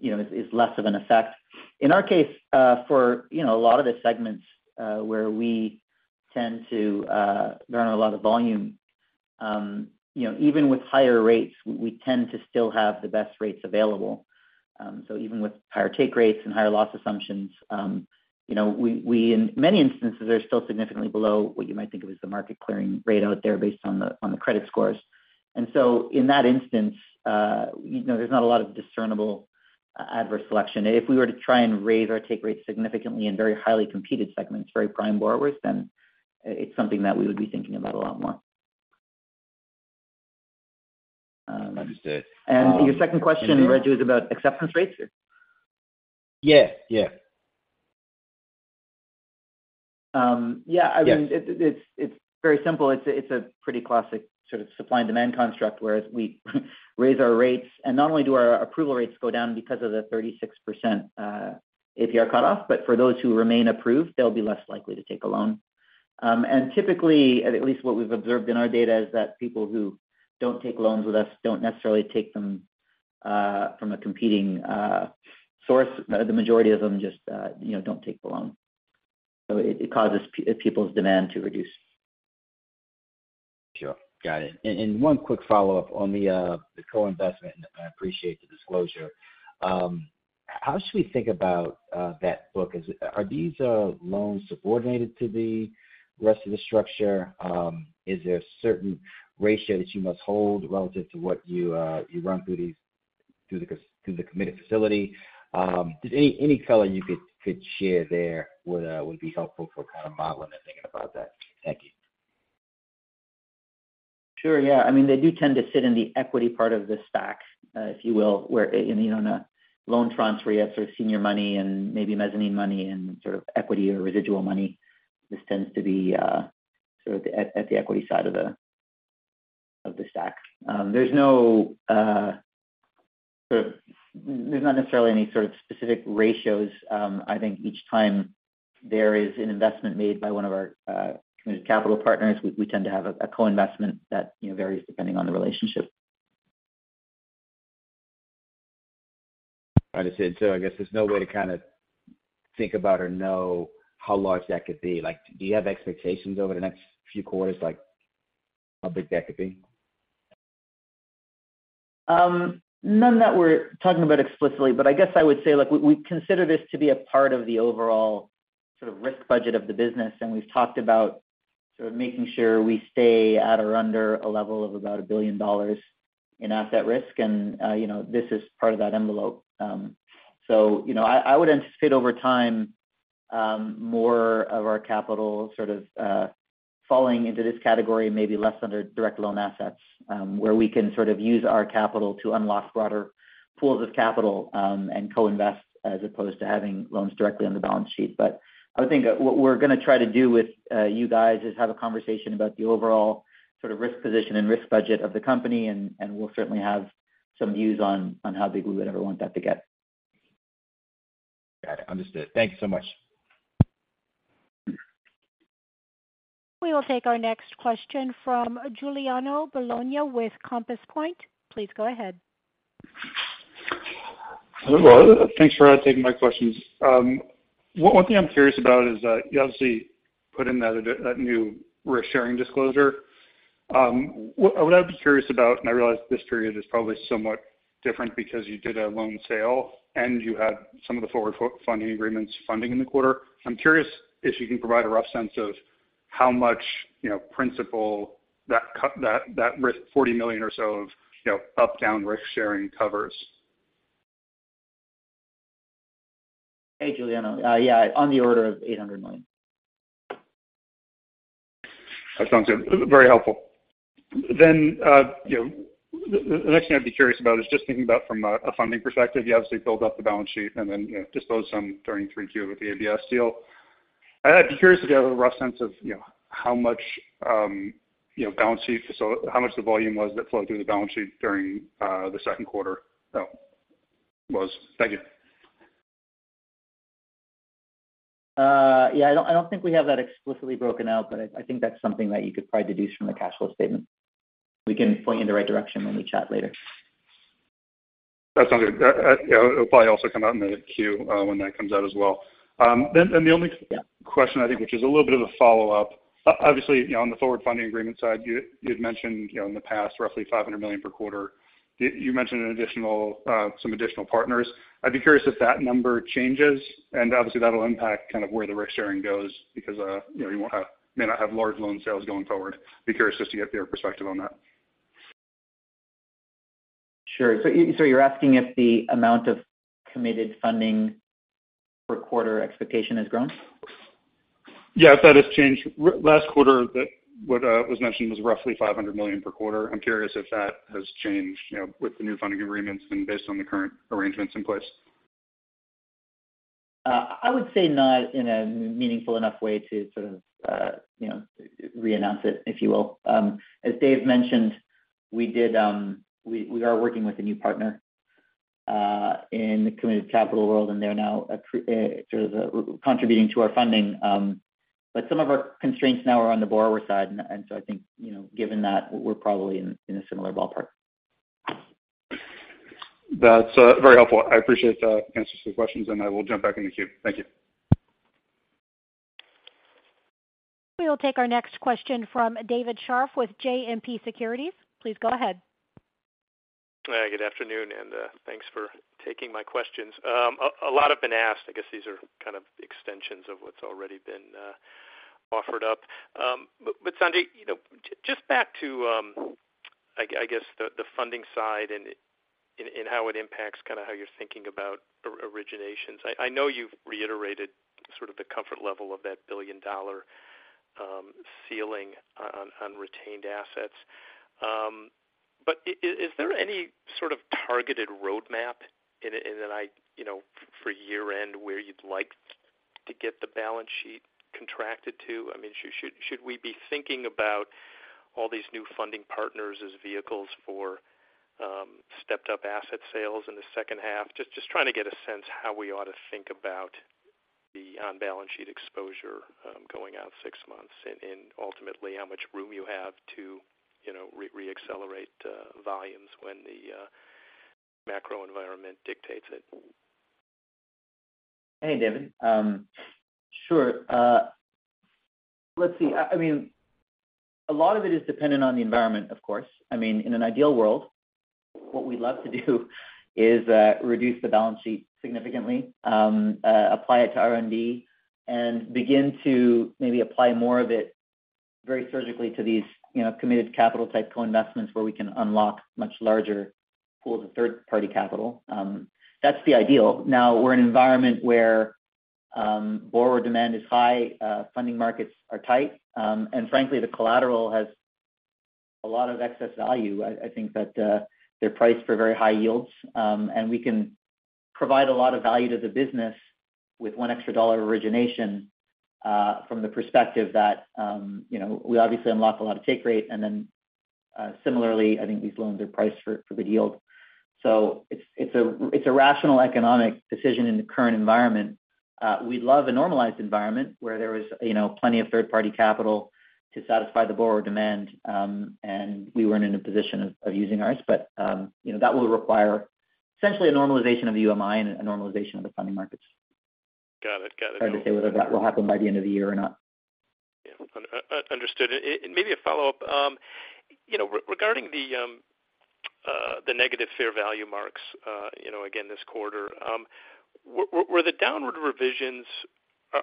you know, is, is less of an effect. In our case, for, you know, a lot of the segments, where we tend to run a lot of volume, you know, even with higher rates, we tend to still have the best rates available. Even with higher take rates and higher loss assumptions, you know, we, we in many instances, are still significantly below what you might think of as the market clearing rate out there based on the, on the credit scores. In that instance, you know, there's not a lot of discernible adverse selection. If we were to try and raise our take rates significantly in very highly competed segments, very prime borrowers, then, it's something that we would be thinking about a lot more. Understood. Your second question, Reggie, was about acceptance rates? Yeah, yeah. Yeah. Yes. I mean, it, it's, it's very simple. It's a, it's a pretty classic sort of supply and demand construct, whereas we raise our rates, and not only do our approval rates go down because of the 36% APR cutoff, but for those who remain approved, they'll be less likely to take a loan. Typically, at least what we've observed in our data, is that people who don't take loans with us don't necessarily take them from a competing source. The majority of them just, you know, don't take the loan. It, it causes pe- people's demand to reduce. Sure. Got it. One quick follow-up on the co-investment, I appreciate the disclosure. How should we think about that book? Are these loans subordinated to the rest of the structure? Is there a certain ratio that you must hold relative to what you run through these, through the committed facility? Just any, any color you could, could share there would be helpful for kind of modeling and thinking about that. Thank you. Sure. Yeah. I mean, they do tend to sit in the equity part of the stack, if you will, where, you know, on a loan fronts where you have senior money and maybe mezzanine money and equity or residual money, this tends to be at the equity side of the stack. There's no, there's not necessarily any sort of specific ratios. I think each time there is an investment made by one of our committed capital partners, we, we tend to have a co-investment that, you know, varies depending on the relationship. Understood. I guess there's no way to kind of think about or know how large that could be. Like, do you have expectations over the next few quarters, like, how big that could be? None that we're talking about explicitly, but I guess I would say, look, we, we consider this to be a part of the overall sort of risk budget of the business, and we've talked about sort of making sure we stay at or under a level of about billion in asset risk, and, you know, this is part of that envelope. You know, I, I would anticipate over time, more of our capital sort of falling into this category, maybe less under direct loan assets, where we can sort of use our capital to unlock broader pools of capital, and co-invest, as opposed to having loans directly on the balance sheet. I would think that what we're gonna try to do with you guys is have a conversation about the overall sort of risk position and risk budget of the company, and, and we'll certainly have some views on, on how big we would ever want that to get. Got it. Understood. Thank you so much. We will take our next question from Giuliano Bologna with Compass Point. Please go ahead. Hello, thanks for taking my questions. One thing I'm curious about is that you obviously put in that new risk-sharing disclosure. What I would be curious about, and I realize this period is probably somewhat different because you did a loan sale and you had some of the forward funding agreements funding in the quarter. I'm curious if you can provide a rough sense of how much, you know, principal that that, that risk $40 million or so of, you know, up-down risk sharing covers? Hey, Giuliano. Yeah, on the order of $800 million. That sounds good. Very helpful. You know, the, the next thing I'd be curious about is just thinking about from a, a funding perspective, you obviously built up the balance sheet and then, you know, disposed some during 3Q with the ABS deal. I'd be curious if you have a rough sense of, you know, how much, you know, balance sheet, so how much the volume was that flowed through the balance sheet during second quarter, though, was. Thank you. Yeah, I don't think we have that explicitly broken out, but I, I think that's something that you could probably deduce from the cash flow statement. We can point you in the right direction when we chat later. That sounds good. Yeah, it'll probably also come out in the Q, when that comes out as well. The only question, I think, which is a little bit of a follow-up. Obviously, you know, on the forward funding agreement side, you, you'd mentioned, you know, in the past, roughly $500 million per quarter. You, you mentioned an additional- some additional partners. I'd be curious if that number changes, and obviously that'll impact kind of where the risk-sharing goes because, you know, you won't have, may not have large loan sales going forward. Be curious just to get your perspective on that? Sure. You're asking if the amount of committed funding per quarter expectation has grown? If that has changed last quarter, that what was mentioned was roughly $500 million per quarter. I'm curious if that has changed, you know, with the new funding agreements and based on the current arrangements in place. I would say not in a meaningful enough way to sort of, you know, reannounce it, if you will. As Dave mentioned, we did, we are working with a new partner in the committed capital world, and they're now sort of contributing to our funding. But some of our constraints now are on the borrower side. So I think, you know, given that, we're probably in a similar ballpark. That's, very helpful. I appreciate the answers to the questions, and I will jump back in the queue. Thank you. We will take our next question from David Scharf with JMP Securities. Please go ahead. Hi, good afternoon, thanks for taking my questions. A lot have been asked. I guess these are kind of extensions of what's already been offered up. Sanjay, you know, just back to, I guess, the funding side and how it impacts kind of how you're thinking about originations. I know you've reiterated sort of the comfort level of that billion dollar ceiling on retained assets. Is there any sort of targeted roadmap in that, you know, for year-end, where you'd like to get the balance sheet contracted to? I mean, should we be thinking about all these new funding partners as vehicles for stepped-up asset sales in the second half? Just trying to get a sense how we ought to think about the on-balance sheet exposure, going out 6 months, and ultimately, how much room you have to, you know reaccelerate volumes when the macro environment dictates it? Hey, David. Sure. Let's see. I mean, a lot of it is dependent on the environment, of course. I mean, in an ideal world, what we'd love to do is reduce the balance sheet significantly, apply it to R&D, and begin to maybe apply more of it very surgically to these, you know, committed capital-type co-investments, where we can unlock much larger pools of third-party capital. That's the ideal. Now, we're in an environment where borrower demand is high, funding markets are tight, and frankly, the collateral has a lot of excess value. I think that, they're priced for very high yields. We can provide a lot of value to the business with $1 extra of origination, from the perspective that, you know, we obviously unlock a lot of take rate, similarly, I think these loans are priced for good yield. It's a, it's a rational economic decision in the current environment. We'd love a normalized environment, where there was, you know, plenty of third-party capital to satisfy the borrower demand, and we weren't in a position of using ours. You know, that will require essentially a normalization of the UMI and a normalization of the funding markets. Got it. Got it. Hard to say whether that will happen by the end of the year or not. Yeah. Understood. Maybe a follow-up. You know, regarding the negative fair value marks, you know, again, this quarter, were the downward revisions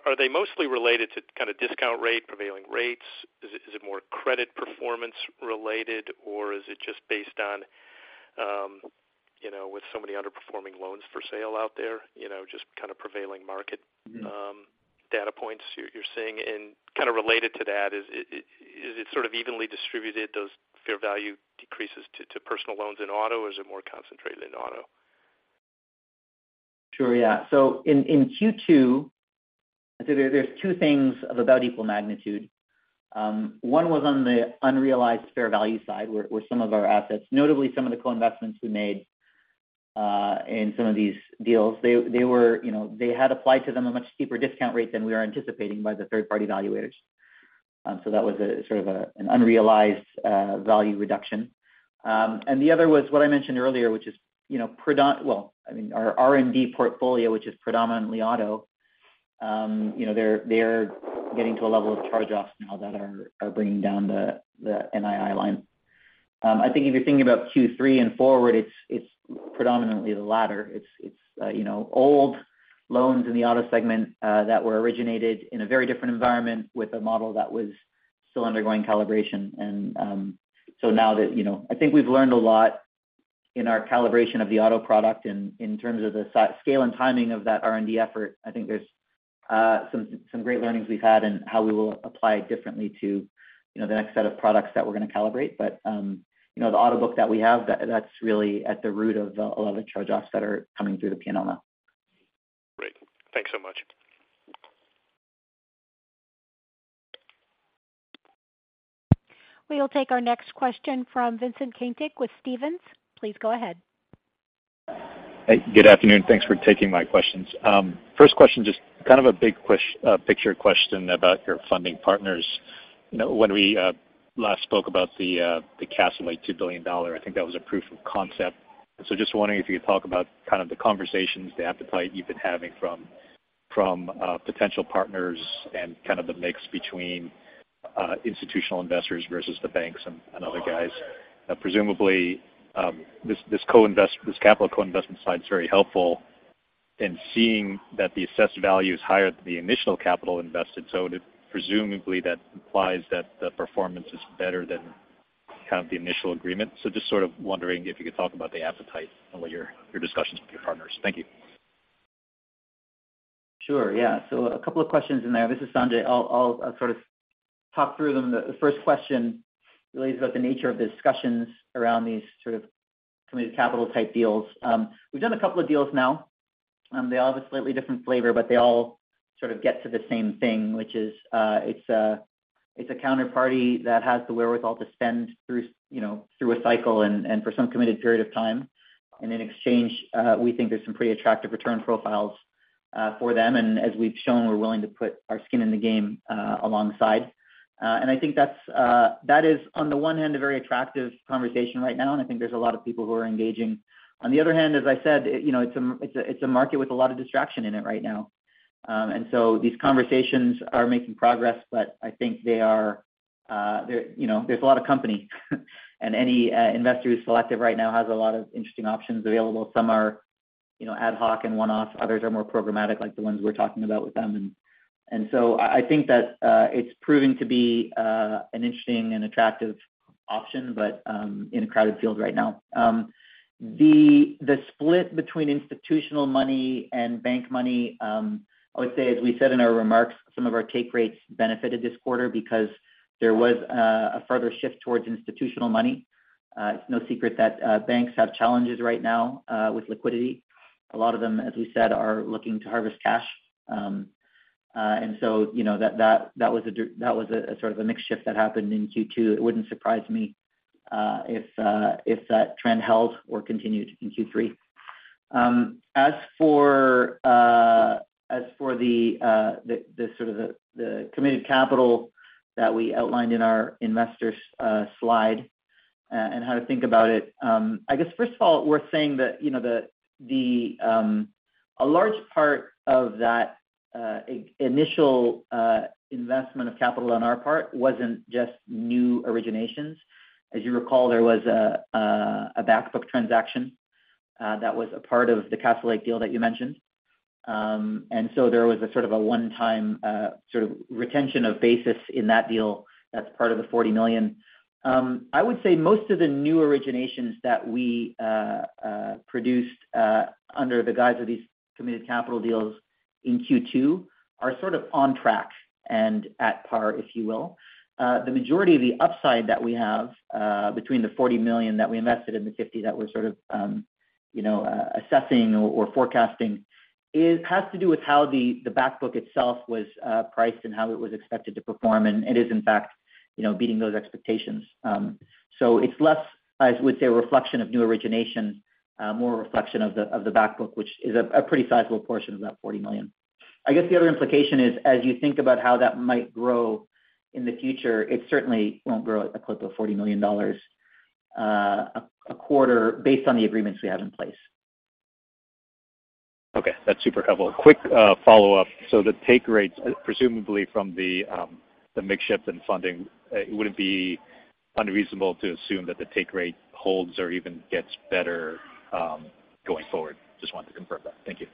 are they mostly related to kind of discount rate, prevailing rates? Is it more credit performance related, or is it just based on, you know with so many underperforming loans for sale out there, you know, just kind of prevailing market data points you're seeing. Kind of related to that, is it sort of evenly distributed, those fair value decreases to personal loans in auto, or is it more concentrated in auto? Sure, yeah. In Q2, I'd say there, there's two things of about equal magnitude. One was on the unrealized fair value side, where, where some of our assets, notably some of the co-investments we made, in some of these deals, they, they were, you know, they had applied to them a much steeper discount rate than we were anticipating by the third-party evaluators. That was a sort of a, an unrealized value reduction. The other was what I mentioned earlier, which is, you know, predo- well, I mean, our R&D portfolio, which is predominantly auto, you know, they're, they're getting to a level of charge-offs now that are, are bringing down the, the NII line. I think if you're thinking about Q3 and forward, it's, it's predominantly the latter. It's, you know, old loans in the auto segment that were originated in a very different environment with a model that was still undergoing calibration. Now that, you know, I think we've learned a lot in our calibration of the auto product in terms of the scale and timing of that R&D effort. I think there's some, some great learnings we've had in how we will apply it differently to, you know, the next set of products that we're gonna calibrate. The auto book that we have, that's really at the root of a lot of the charge-offs that are coming through the P&L now. Great. Thanks so much. We will take our next question from Vincent Caintic with Stephens. Please go ahead. Hey, good afternoon. Thanks for taking my questions. First question, just kind of a big picture question about your funding partners. You know, when we last spoke about the Castlelake $2 billion, I think that was a proof of concept. Just wondering if you could talk about kind of the conversations, the appetite you've been having from, from potential partners and kind of the mix between institutional investors versus the banks and, and other guys. Presumably, this, this co-invest, this capital co-investment side is very helpful in seeing that the assessed value is higher than the initial capital invested. Presumably, that implies that the performance is better than kind of the initial agreement. Just sort of wondering if you could talk about the appetite and what your, your discussions with your partners. Thank you. Sure. Yeah. A couple of questions in there. This is Sanjay I'll sort of talk through them. The, the first question really is about the nature of the discussions around these sort of committed capital type deals. We've done a couple of deals now, they all have a slightly different flavor, but they all sort of get to the same thing, which is, it's a, it's a counterparty that has the wherewithal to spend through, you know, through a cycle and, and for some committed period of time. In exchange, we think there's some pretty attractive return profiles for them. As we've shown, we're willing to put our skin in the game alongside. I think that's, that is, on the one hand, a very attractive conversation right now, and I think there's a lot of people who are engaging. On the other hand, as I said, you know, it's a, it's a market with a lot of distraction in it right now. So these conversations are making progress, but I think they are, they're, you know, there's a lot of company. Any investor who's selective right now has a lot of interesting options available. Some are, you know, ad hoc and one-off, others are more programmatic, like the ones we're talking about with them. So I, I think that, it's proving to be, an interesting and attractive option, but, in a crowded field right now. The, the split between institutional money and bank money, I would say, as we said in our remarks, some of our take rates benefited this quarter because there was a further shift towards institutional money. It's no secret that banks have challenges right now with liquidity. A lot of them, as we said, are looking to harvest cash. You know, that, that, that was a, sort of a mix shift that happened in Q2. It wouldn't surprise me if that trend held or continued in Q3. As for the, the, the sort of the, the committed capital that we outlined in our investors slide, and how to think about it, I guess, first of all, we're saying that, you know, the, the, a large part of that initial investment of capital on our part wasn't just new originations. As you recall, there was a back book transaction that was a part of the Castlelake deal that you mentioned. So there was a sort of a one-time sort of retention of basis in that deal. That's part of the $40 million. I would say most of the new originations that we produced under the guise of these committed capital deals in Q2 are sort of on track and at par, if you will. The majority of the upside that we have, between the $40 million that we invested and the $50 million that we're sort of, you know, assessing or, or forecasting, it has to do with how the back book itself was priced and how it was expected to perform. It is, in fact, you know, beating those expectations. It's less, I would say, a reflection of new origination, more a reflection of the, of the back book, which is a, a pretty sizable portion of that $40 million. I guess the other implication is, as you think about how that might grow in the future, it certainly won't grow at a clip of $40 million, a quarter based on the agreements we have in place. Okay, that's super helpful. Quick, follow-up. The take rates, presumably from the mix shift in funding, would it be unreasonable to assume that the take rate holds or even gets better, going forward? Just wanted to confirm that. Thank you.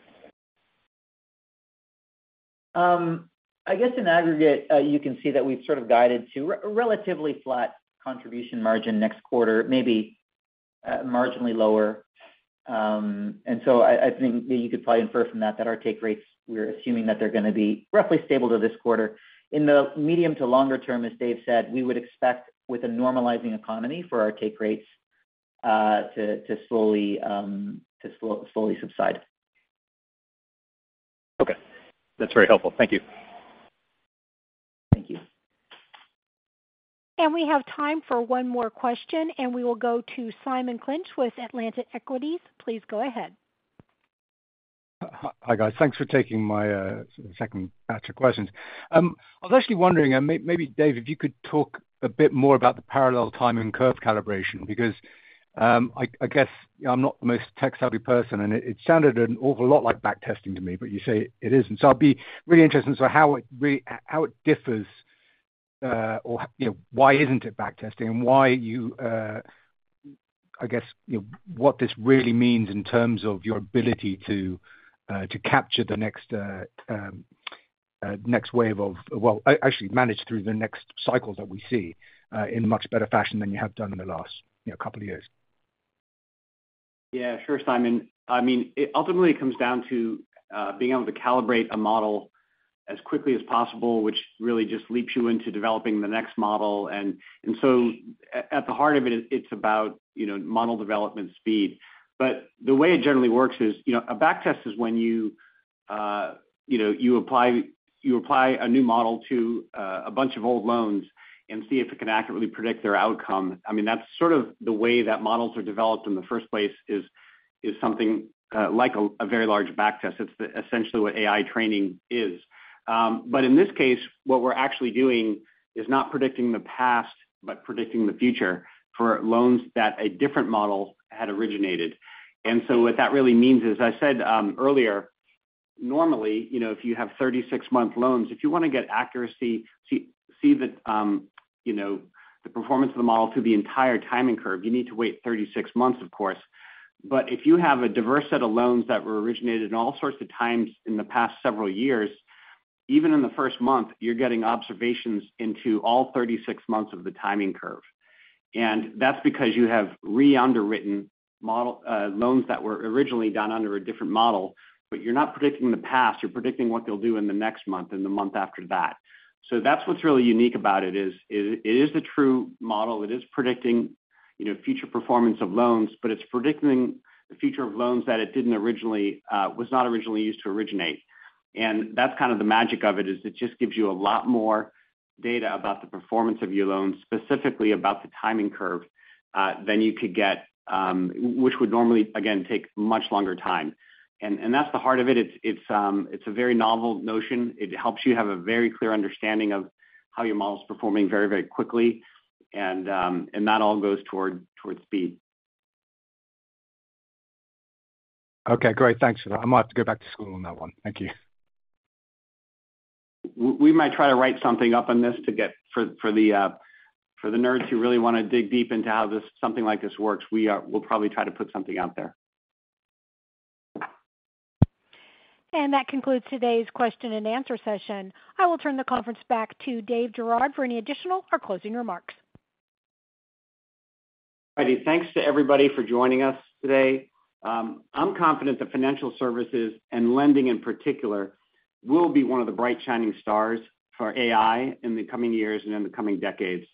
I guess in aggregate, you can see that we've sort of guided to a relatively flat Contribution Margin next quarter, maybe marginally lower. I think you could probably infer from that, that our take rates, we're assuming that they're gonna be roughly stable to this quarter. In the medium to longer term, as Dave said, we would expect, with a normalizing economy, for our take rates, to, to slowly, to slow, slowly subside. Okay. That's very helpful. Thank you. Thank you. We have time for one more question, and we will go to Simon Clinch with Atlantic Equities. Please go ahead. Hi, guys. Thanks for taking my second batch of questions. I was actually wondering, and maybe Dave, if you could talk a bit more about the Parallel Timing Curve Calibration, because I, I guess I'm not the most tech-savvy person, and it, it sounded an awful lot like backtesting to me, but you say it isn't. I'd be really interested in sort of how it how it differs, or, you know, why isn't it backtesting and why you, I guess, what this really means in terms of your ability to capture the next next wave of actually manage through the next cycles that we see in a much better fashion than you have done in the last, you know, couple of years. Yeah, sure Simon I mean, it ultimately comes down to being able to calibrate a model as quickly as possible, which really just leaps you into developing the next model. An so at heart of it, it's about, you know, model development speed. The way it generally works is, you know, a backtest is when you, you apply, you apply a new model to a bunch of old loans and see if it can accurately predict their outcome. I mean, that's sort of the way that models are developed in the first place, is, is something like a, a very large backtest. It's essentially what AI training is. In this case, what we're actually doing is not predicting the past, but predicting the future for loans that a different model had originated. What that really means is, I said earlier, normally, you know, if you have 36-month loans, if you wanna get accuracy, see, see the, you know, the performance of the model through the entire timing curve, you need to wait 36 months, of course. If you have a diverse set of loans that were originated in all sorts of times in the past several years, even in the first month, you're getting observations into all 36 months of the timing curve. That's because you have re-underwritten model, loans that were originally done under a different model, but you're not predicting the past, you're predicting what they'll do in the next month and the month after that. That's what's really unique about it, is, is it is a true model. It is predicting, you know, future performance of loans, but it's predicting the future of loans that it didn't originally, was not originally used to originate. That's kind of the magic of it, is it just gives you a lot more data about the performance of your loans, specifically about the timing curve, than you could get, which would normally, again, take much longer time. That's the heart of it. It's, it's, it's a very novel notion. It helps you have a very clear understanding of how your model is performing very, very quickly, and that all goes toward, towards speed. Okay, great. Thanks for that. I might have to go back to school on that one. Thank you. We might try to write something up on this to get for, for the nerds who really wanna dig deep into how something like this works. We will probably try to put something out there. That concludes today's question and answer session. I will turn the conference back to Dave Girouard for any additional or closing remarks. Thanks to everybody for joining us today. I'm confident that financial services and lending, in particular, will be one of the bright, shining stars for AI in the coming years and in the coming decades.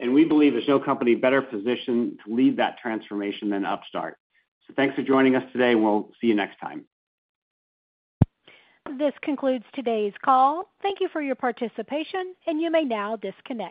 We believe there's no company better positioned to lead that transformation than Upstart. Thanks for joining us today, and we'll see you next time. This concludes today's call. Thank you for your participation, and you may now disconnect.